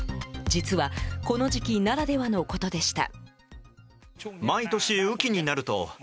実はこの時期ならではのことでした。